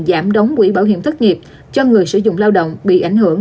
giảm đóng quỹ bảo hiểm thất nghiệp cho người sử dụng lao động bị ảnh hưởng